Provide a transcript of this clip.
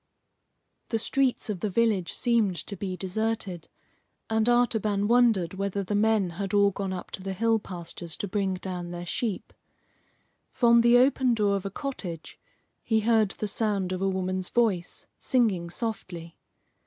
The streets of the village seemed to be deserted, and Artaban wondered whether the men had all gone up to the hill pastures to bring down their sheep. From the open door of a cottage he heard the sound of a woman's voice singing softly.